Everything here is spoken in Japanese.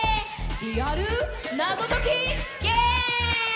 リアル謎解きゲーム！